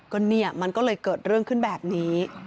ก็เนี่ยมันก็เลยเกิดเรื่องขึ้นแบบนี้